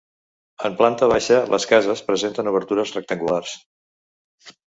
En planta baixa, les cases presenten obertures rectangulars.